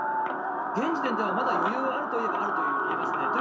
現時点ではまだ余裕はあると言えばあると言えますね。